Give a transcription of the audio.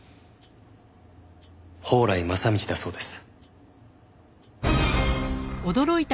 宝来正道だそうです。